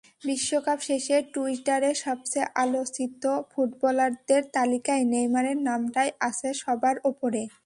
বিশ্বকাপ শেষে টুইটারে সবচেয়ে আলোচিত ফুটবলারদের তালিকায় নেইমারের নামটাই আছে সবার ওপরে।